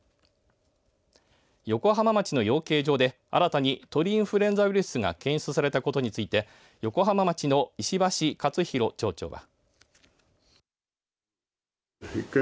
横浜町の養鶏場で、新たに鳥インフルエンザウイルスが検出されたことについて横浜町の石橋勝大町長は。